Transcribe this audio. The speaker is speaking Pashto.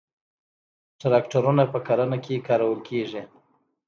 تراکتورونه په کرنه کې کارول کیږي